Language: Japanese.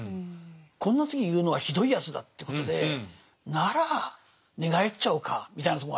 こんな時に言うのはひどいやつだということでなら寝返っちゃおうかみたいなとこもあるんですね。